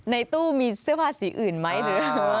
ในตู้มีเสื้อผ้าสีอื่นไหมหรือ